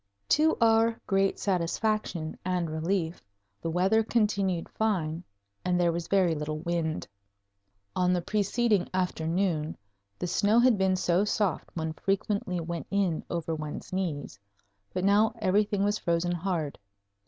To our great satisfaction and relief, the weather continued fine and there was very little wind. On the preceding afternoon the snow had been so soft one frequently went in over one's knees, but now everything was frozen hard.